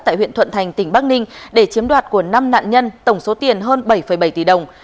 tại huyện thuận thành tỉnh bắc ninh để chiếm đoạt của năm nạn nhân tổng số tiền hơn bảy bảy tỷ đồng